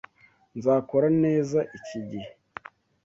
Nzakora neza iki gihe.